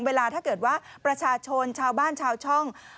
ถ้าเกิดว่าประชาชนชาวบ้านชาวช่อง